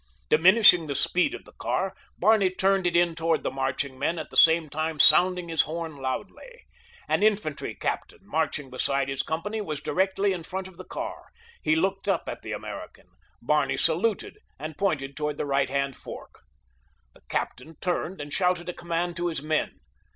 Diminishing the speed of the car Barney turned it in toward the marching men at the same time sounding his horn loudly. An infantry captain, marching beside his company, was directly in front of the car. He looked up at the American. Barney saluted and pointed toward the right hand fork. The captain turned and shouted a command to his men.